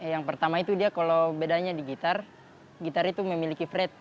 yang pertama itu dia kalau bedanya di gitar gitar itu memiliki fred